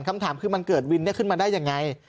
คำถามคือมันเกิดวินขึ้นมาได้ยังไง